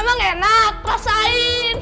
emang enak rasain